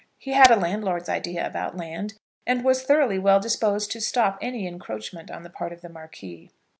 He had a landlord's idea about land, and was thoroughly well disposed to stop any encroachment on the part of the Marquis.